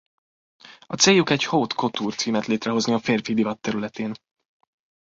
A céljuk egy Haute-Couture-címet létrehozni a férfi divat területén.